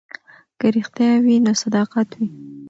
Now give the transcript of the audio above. که رښتیا وي نو صداقت وي.